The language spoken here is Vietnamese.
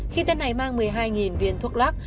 khi tên này mang một mươi hai viên thuốc lắc